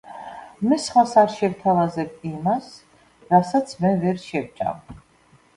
მე სხვას არ შევთავაზებ იმას, რასაც მე ვერ შევჭამ.